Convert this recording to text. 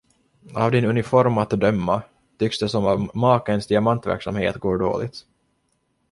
Av din uniform att dömma, tycks det som om makens diamantverksamhet går dåligt?